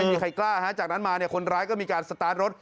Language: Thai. ไม่มีใครกล้าจากนั้นมาเนี่ยคนร้ายก็มีการสตาร์ทรถ